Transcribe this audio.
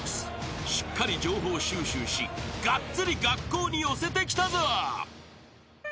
［しっかり情報収集しがっつり学校に寄せてきたぞ］